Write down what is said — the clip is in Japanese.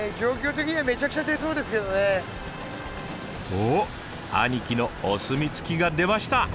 おお兄貴のお墨付きが出ました！